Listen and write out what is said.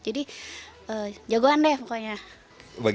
jadi jagoan deh pokoknya